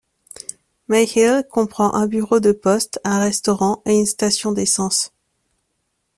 Mayhill comprend un bureau de poste, un restaurant et une station d'essence.